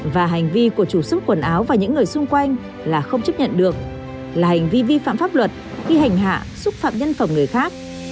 và hành vi của chủ xuất quần áo và những người xung quanh là không chấp nhận được là hành vi vi phạm pháp luật khi hành hạ xúc phạm nhân phẩm người khác